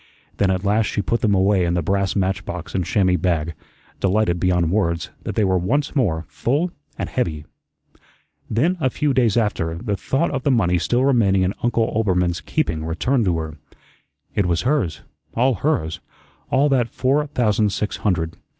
Then at last she put them away in the brass match box and chamois bag, delighted beyond words that they were once more full and heavy. Then, a few days after, the thought of the money still remaining in Uncle Oelbermann's keeping returned to her. It was hers, all hers all that four thousand six hundred.